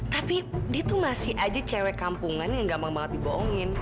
tapi dia tuh masih aja cewek kampungan yang gampang banget dibohongin